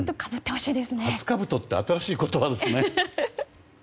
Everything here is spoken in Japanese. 初かぶとって新しい言葉ですね。